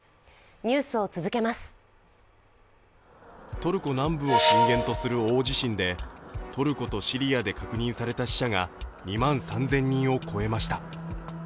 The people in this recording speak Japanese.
トルコ南部を震源とする大地震でトルコとシリアで確認された死者が２万３０００人を超えました。